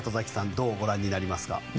どうご覧になりますか。